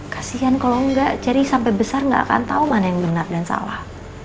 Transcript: kasian kalo enggak ceri sampai besar gak akan tau mana yang benar dan salah